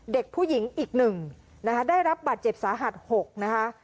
เด็กผู้หญิงอีก๑นะคะได้รับบาดเจ็บสาหัส๖นะคะ